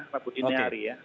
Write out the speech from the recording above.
rabu dini hari ya